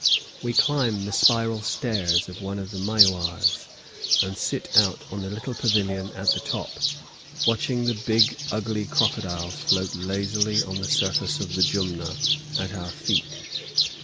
We climb the spiral stairs of one of the miuars, and sit out on the little pavilion at the top, watching the big ugly crocodiles float lazily on the surface of the Jumna at our feet.